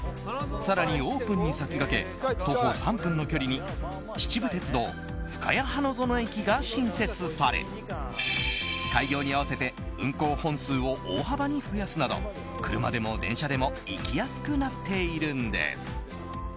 更に、オープンに先駆け徒歩３分の距離に秩父鉄道ふかや花園駅が新設され開業に合わせて運行本数を大幅に増やすなど車でも電車でも行きやすくなっているんです。